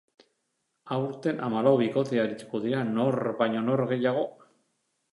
Aurten hamalau bikote arituko dira nor baino nor gehiago.